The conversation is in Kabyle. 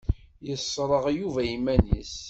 Yesṛeɣ Yuba iman-is.